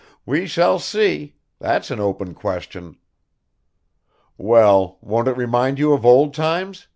we shall see; that's an open question." "Well, won't it remind you of old times?"